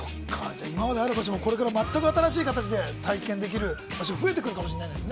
今まである場所も、これからまったく新しい形で体験できる場所が増えてくるかもしれませんね。